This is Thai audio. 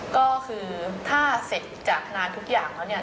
ก็คือถ้าเสร็จจากทนายทุกอย่างแล้วเนี่ย